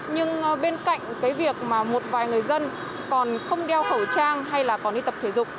nhưng bên cạnh cái việc mà một vài người dân còn không đeo khẩu trang hay là còn đi tập thể dục